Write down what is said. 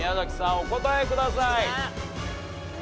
お答えください。